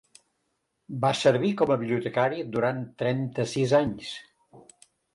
Va servir com a bibliotecari durant trenta-sis anys.